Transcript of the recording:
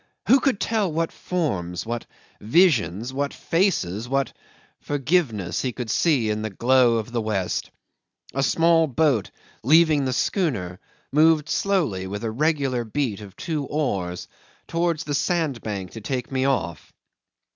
Who could tell what forms, what visions, what faces, what forgiveness he could see in the glow of the west! ... A small boat, leaving the schooner, moved slowly, with a regular beat of two oars, towards the sandbank to take me off.